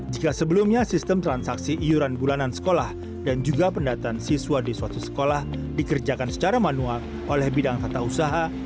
jika sebelumnya sistem transaksi iuran bulanan sekolah dan juga pendataan siswa di suatu sekolah dikerjakan secara manual oleh bidang tata usaha